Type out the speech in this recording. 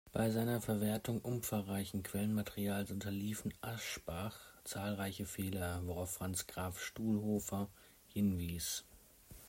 Bei seiner Verwertung umfangreichen Quellenmaterials unterliefen Aschbach zahlreiche Fehler, worauf Franz Graf-Stuhlhofer hinwies.